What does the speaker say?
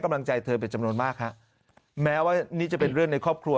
กำลังใจเธอเป็นจำนวนมากฮะแม้ว่านี่จะเป็นเรื่องในครอบครัว